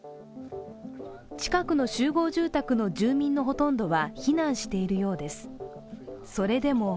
近くの集合住宅の住民のほとんどは避難しているようです。